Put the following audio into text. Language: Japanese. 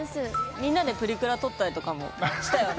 みんなでプリクラ撮ったりとかもしたよね？